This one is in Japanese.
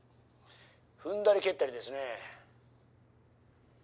踏んだり蹴ったりですね。